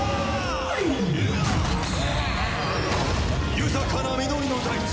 豊かな実りの大地